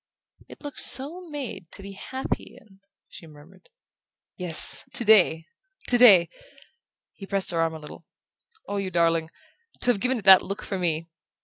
"It looks so made to be happy in " she murmured. "Yes today, today!" He pressed her arm a little. "Oh, you darling to have given it that look for me!"